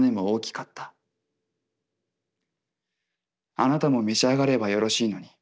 「『あなたも召し上がればよろしいのに』